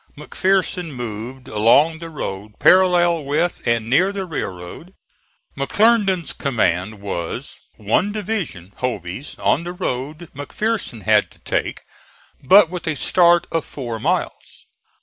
McPherson moved along the road parallel with and near the railroad. McClernand's command was, one division (Hovey's) on the road McPherson had to take, but with a start of four miles.